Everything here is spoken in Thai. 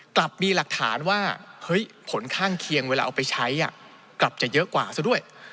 กลับมีหลักฐานว่าเฮ้ยผลข้างเคียงเวลาเอาไปใช้กลับจะเยอะกว่าซะด้วย